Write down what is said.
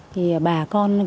thì bà con